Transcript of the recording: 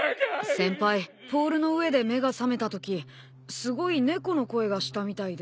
先輩ポールの上で目が覚めたときすごい猫の声がしたみたいで。